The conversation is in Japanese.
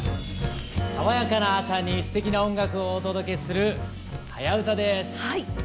爽やかな朝にすてきな音楽をお届けする「はやウタ」です。